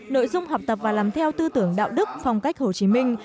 nội dung học tập và làm theo tư tưởng đạo đức phong cách hồ chí minh